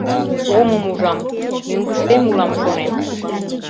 Омым ужам, мӧҥгыштем улам, — шонем.